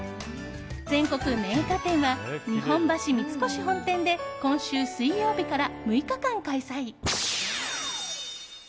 全国銘菓展は日本橋三越本店で今週水曜日から６日間、開催。